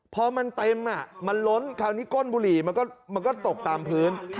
พอมันเต็มมันล้นคราวนี้ก้นบุหรี่มันก็ตกตามพื้น